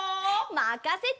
まかせて！